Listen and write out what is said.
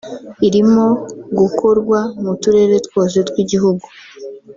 irimo gukorwa mu Turere twose tw’Igihugu